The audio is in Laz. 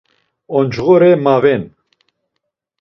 Oncğare maven.